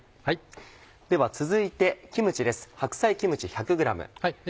では続いてキムチです。